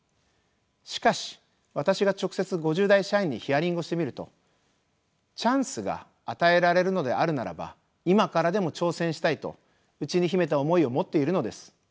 しかし私が直接５０代社員にヒアリングをしてみるとチャンスが与えられるのであるならば今からでも挑戦したいと内に秘めた思いを持っているのです。